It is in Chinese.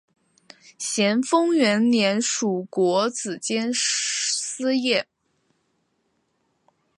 咸丰元年署国子监司业。